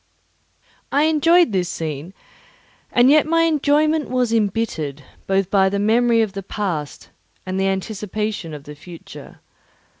I enjoyed this scene, and yet my enjoyment was embittered both by the memory of the past and the anticipation of the future.